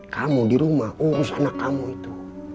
kamu di rumah urus anak kamu itu